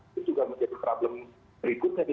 itu juga menjadi problem berikutnya